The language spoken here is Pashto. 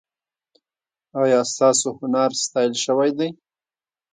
ایا ستاسو هنر ستایل شوی دی؟